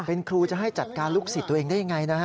เป็นครูจะให้จัดการลูกศิษย์ตัวเองได้ยังไงนะฮะ